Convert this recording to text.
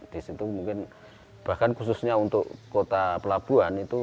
di situ mungkin bahkan khususnya untuk kota pelabuhan itu